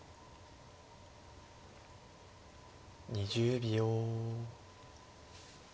２０秒。